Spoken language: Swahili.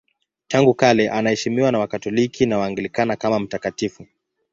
Tangu kale anaheshimiwa na Wakatoliki na Waanglikana kama mtakatifu.